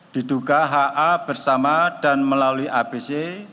diduga ha bersama dan melalui abc